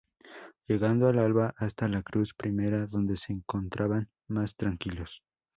Llegando al alba hasta la Cruz Primera, donde se encontraban más tranquilos.